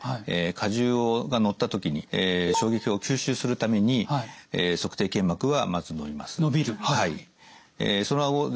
荷重がのった時に衝撃を吸収するために足底腱膜はまず伸びます。